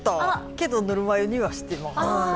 けど、ぬるま湯にはしてます。